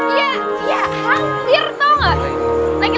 iya iya hampir tau gak